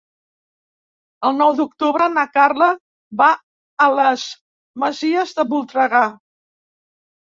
El nou d'octubre na Carla va a les Masies de Voltregà.